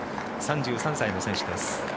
３３歳の選手です。